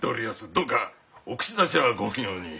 どうかお口出しはご無用に。